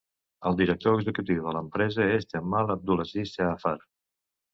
El director executiu de l'empresa és Jamal Abdulaziz Jaafar.